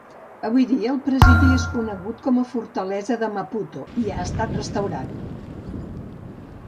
Avui dia el presidi és conegut com a Fortalesa de Maputo, i ha estat restaurat.